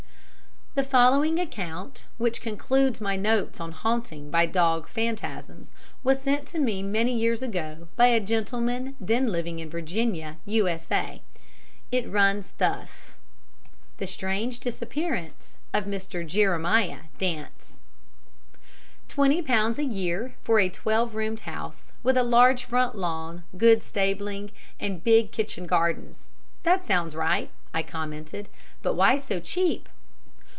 The following account, which concludes my notes on hauntings by dog phantasms, was sent me many years ago by a gentleman then living in Virginia, U.S.A. It runs thus: The Strange Disappearance of Mr. Jeremiah Dance "Twenty pounds a year for a twelve roomed house with large front lawn, good stabling and big kitchen gardens. That sounds all right," I commented. "But why so cheap?"